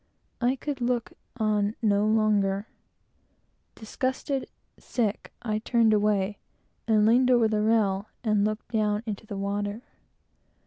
I could look on no longer. Disgusted, sick, and horror struck, I turned away and leaned over the rail, and looked down into the water.